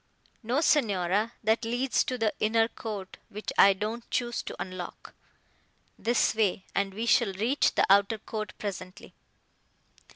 "No, Signora, that leads to the inner court, which I don't choose to unlock. This way, and we shall reach the outer court presently."